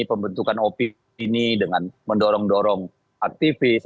pembentukan opini dengan mendorong dorong aktivis